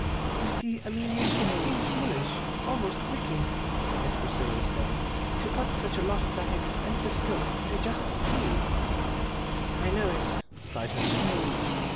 "You see, Amelia, it seemed foolish almost wicked," Miss Priscilla was saying, "to put such a lot of that expensive silk into just sleeves." "I know it," sighed her sister.